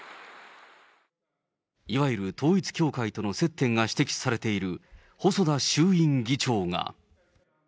いわゆる統一教会との接点が指摘されている細田衆院議長が。